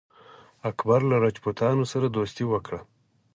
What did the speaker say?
اکبر له راجپوتانو سره دوستي وکړه.